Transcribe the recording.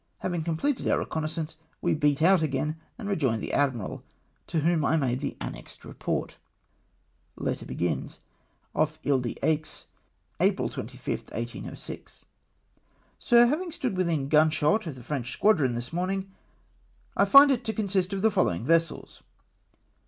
Having completed our reconnoissance, we beat out again and rejoined the admiral, to whom I made the annexed report. " H.M.S. Pallas, off Isle d'Aix, April 25th, 1806. " Sir, — Having stood within gunshot of the French squa dron this morning, I find it to consist of the following vessels.